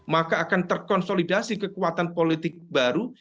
maka akan terkonsolidasi kekuatan politik baru